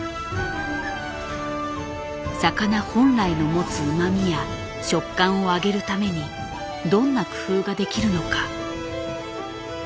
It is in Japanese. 魚本来の持つうまみや食感を上げるためにどんな工夫ができるのか。